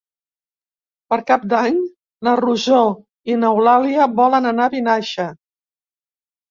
Per Cap d'Any na Rosó i n'Eulàlia volen anar a Vinaixa.